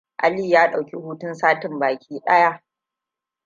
Aliyu ya ɗauki hutun satin baki ɗaya.